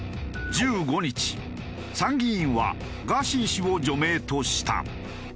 １５日参議院はガーシー氏を除名とした。